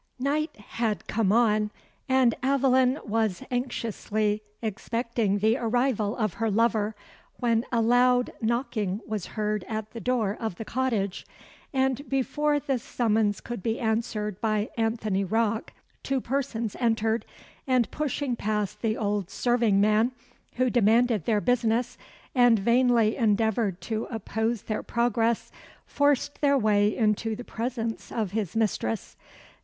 Night had come on, and Aveline was anxiously expecting the arrival of her lover, when a loud knocking was heard at the door of the cottage; and before the summons could be answered by Anthony Rocke, two persons entered, and pushing past the old serving man, who demanded their business, and vainly endeavoured to oppose their progress, forced their way into the presence of his mistress.